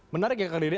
menarik ya kakak diri